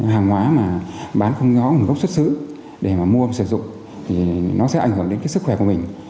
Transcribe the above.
hàng hóa mà bán không có một gốc xuất xứ để mà mua và sử dụng thì nó sẽ ảnh hưởng đến cái sức khỏe của mình